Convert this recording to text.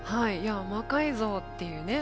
魔改造っていうね